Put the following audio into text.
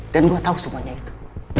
dan gue tau semuanya itu